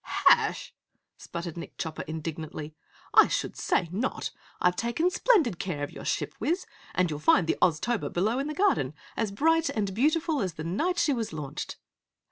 "Hash!" sputtered Nick Chopper, indignantly, "I should say NOT. I've taken splendid care of your ship, Wiz, and you'll find the Oztober below in the garden, as bright and beautiful as the night she was launched!"